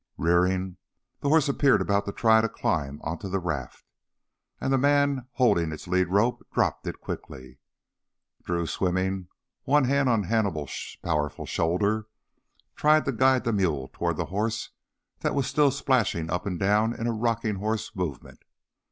Rearing, the horse appeared about to try to climb onto the raft. And the man holding its lead rope dropped it quickly. Drew, swimming, one hand on Hannibal's powerful shoulder, tried to guide the mule toward the horse that was still splashing up and down in a rocking horse movement.